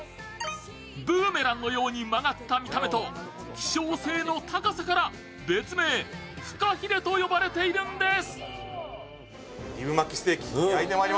ブーメランのように曲がった見た目と希少性の高さから別名、フカヒレと呼ばれているんです。